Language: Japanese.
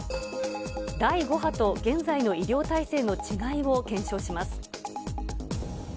第５波と現在の医療体制の違いを検証します。